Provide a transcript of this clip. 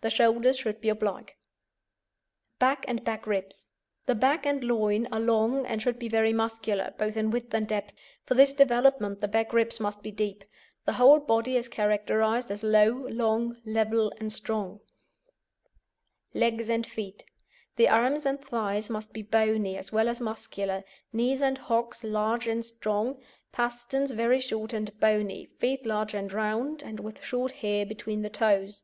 The shoulders should be oblique. BACK AND BACK RIBS The back and loin are long, and should be very muscular, both in width and depth; for this development the back ribs must be deep. The whole body is characterised as low, long, level, and strong. LEGS AND FEET The arms and thighs must be bony, as well as muscular, knees and hocks large and strong, pasterns very short and bony, feet large and round, and with short hair between the toes.